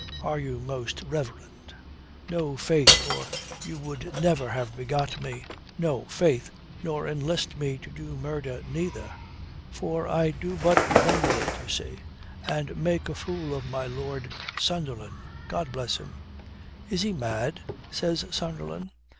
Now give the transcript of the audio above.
Are you, most reverend? No, faith, or you would never have begot me. No, faith, nor enlist me to do murder neither. For I do but bungle it, you see. And make a fool of my Lord Sunderland, God bless him." "Is he mad?" says Sunderland.